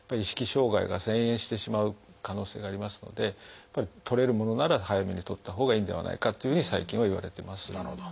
障害が遷延してしまう可能性がありますので取れるものなら早めに取ったほうがいいんではないかというふうに最近はいわれてます。